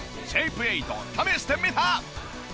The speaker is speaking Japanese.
シェイプエイトを試してみた！